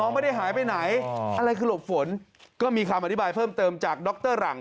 ไม่ได้หายไปไหนอะไรคือหลบฝนก็มีคำอธิบายเพิ่มเติมจากดรหลัง